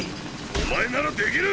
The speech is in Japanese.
お前ならできる！！